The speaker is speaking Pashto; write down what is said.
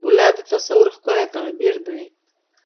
ګلاب د تصور ښکلی تعبیر دی.